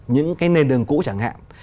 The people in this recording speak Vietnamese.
những cái nền đường cũ chẳng hạn